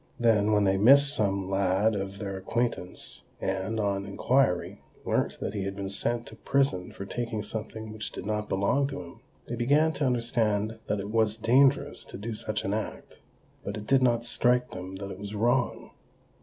Then, when they missed some lad of their acquaintance, and, on inquiry, learnt that he had been sent to prison for taking something which did not belong to him, they began to understand that it was dangerous to do such an act—but it did not strike them that it was wrong.